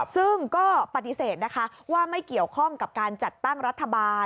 ซึ่งก็ปฏิเสธนะคะว่าไม่เกี่ยวข้องกับการจัดตั้งรัฐบาล